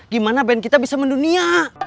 gimana band kita bisa mendunia